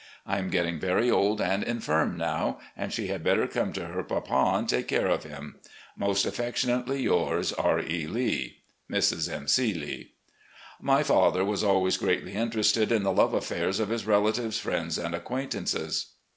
I am getting very old and infirm now, and she had better come to her papa and take care of him. "Most affectionately yours, R. E. Lee. "Mrs. M. C. Lee." My father was always greatly interested in the love affairs of his relatives, friends, and acquaintances.